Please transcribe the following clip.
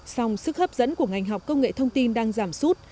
song sức hấp dẫn của ngành học công nghệ thông tin đang giảm sút